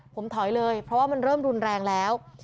ผมถอยเลยเพราะว่ามันเริ่มรุนแรงแล้ว